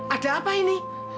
ada apa ini